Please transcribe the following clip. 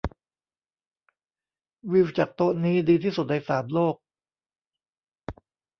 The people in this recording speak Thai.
วิวจากโต๊ะนี้ดีที่สุดในสามโลก